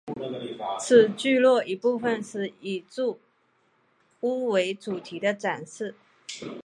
此聚落一部份是以住屋为主题的展示。